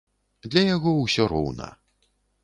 Для яго ўсё роўна.